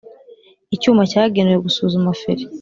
Icyuma cyagenewe gusuzuma feri